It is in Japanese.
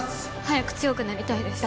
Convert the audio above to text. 早く強くなりたいです。